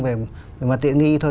về mặt tiện nghi thôi